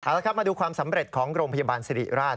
เอาละครับมาดูความสำเร็จของโรงพยาบาลสิริราช